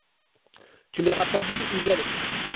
Tu ne leur as pas dit où j’allais?